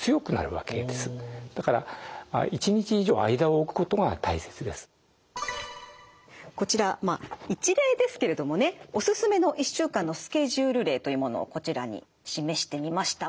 らくらく筋トレは分数ではなくてだからこちらまあ一例ですけれどもねおすすめの１週間のスケジュール例というものをこちらに示してみました。